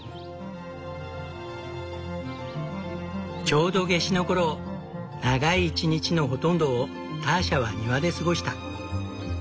ちょうど夏至の頃長い一日のほとんどをターシャは庭で過ごした。